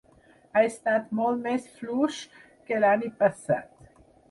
Ha estat molt més fluix que l’any passat.